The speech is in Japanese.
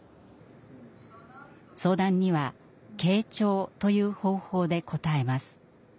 相談には傾聴という方法で応えます。